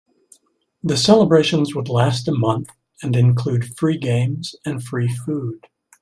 The celebrations would last a month and include free games and free food.